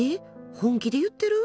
本気で言ってる？